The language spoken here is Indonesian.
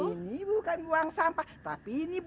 ini bukan buang sampah tapi ini